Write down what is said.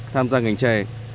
tham gia ngành chè